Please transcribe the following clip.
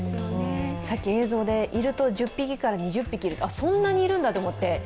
さっき映像で、いると１０匹から２０匹いる、そんなにいるんだと思って。